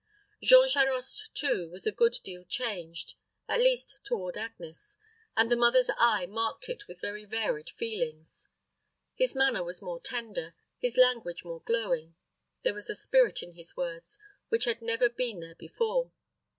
Jean Charost, too, was a good deal changed, at least toward Agnes, and the mother's eye marked it with very varied feelings. His manner was more tender, his language more glowing; there was a spirit in his words which had never been there before.